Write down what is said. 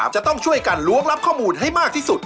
จะต้องช่วยกันล้วงรับข้อมูลให้มากที่สุด